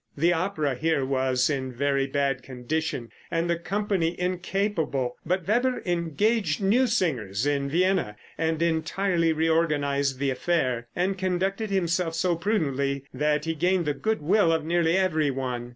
The opera here was in very bad condition, and the company incapable, but Weber engaged new singers in Vienna, and entirely reorganized the affair, and conducted himself so prudently that he gained the good will of nearly every one.